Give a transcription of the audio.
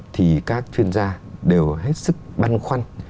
thì các chuyên gia đều hết sức băn khoăn